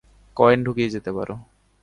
Coin ঢুকিয়ে যেতে পারো।